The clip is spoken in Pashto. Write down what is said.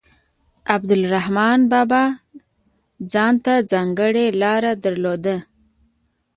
عبدالرحمان بابا ځانته ځانګړې لاره درلوده.